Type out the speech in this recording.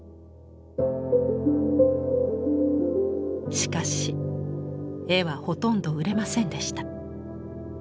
しかし絵はほとんど売れませんでした。